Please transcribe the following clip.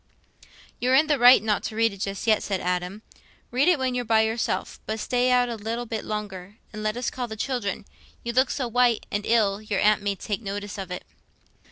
"You're in the right not to read it just yet," said Adam. "Read it when you're by yourself. But stay out a little bit longer, and let us call the children: you look so white and ill, your aunt may take notice of it."